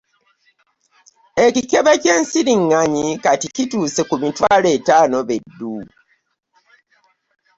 Ekikebe ky'ensiriŋŋanyi kati kituuse ku mitwalo etaano be ddu!